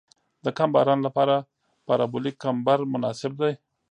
د کم باران لپاره پارابولیک کمبر مناسب دی